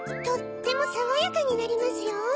とってもさわやかになりますよ。